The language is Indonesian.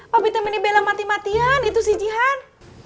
papi tuh belam mati matian itu si jihan